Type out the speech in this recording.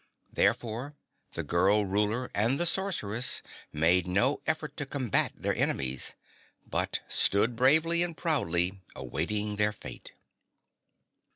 Therefore the girl Ruler and the Sorceress made no effort to combat their enemies, but stood bravely and proudly awaiting their fate.